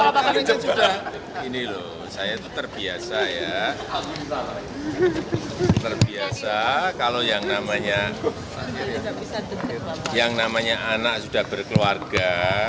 saya tanyakan ke dia saya itu terbiasa ya terbiasa kalau yang namanya anak sudah berkeluarga